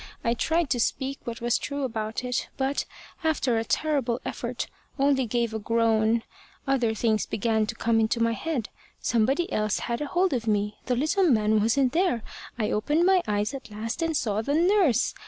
I tried to speak what was true about it, but, after a terrible effort, only gave a groan. Other things began to come into my head. Somebody else had a hold of me. The little man wasn't there. I opened my eyes at last, and saw the nurse.